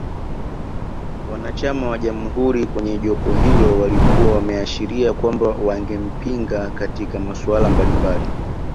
Wanachama wa jamuhuri kwenye jopo hilo walikuwa wameashiria kwamba wangempinga katika masuala mbalimbali